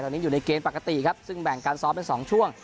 ตอนนี้อยู่ในเกณฑ์ปกติครับซึ่งแบ่งการซ้อมเป็น๒ช่วง